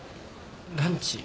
ランチ？